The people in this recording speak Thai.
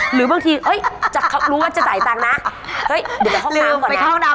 หรือบางทีเฮ้ยรู้ว่าจะจ่ายตังนะเฮ้ยเดี๋ยวไปข้องน้ำก่อนนะ